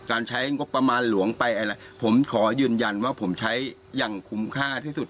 ใช้งบประมาณหลวงไปอะไรผมขอยืนยันว่าผมใช้อย่างคุ้มค่าที่สุด